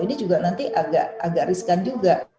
ini juga nanti agak riskan juga